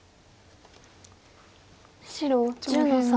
白１０の三。